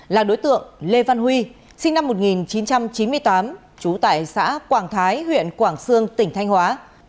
là đối tượng lê văn huy sinh năm một nghìn chín trăm chín mươi tám trú tại xã quảng thái huyện quảng sương tỉnh thanh hóa